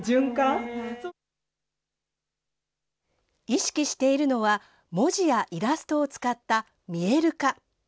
意識しているのは、文字やイラストを使った見える化。